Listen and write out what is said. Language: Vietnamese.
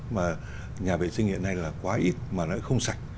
mà nhà vệ sinh hiện nay là quá ít mà nó không sạch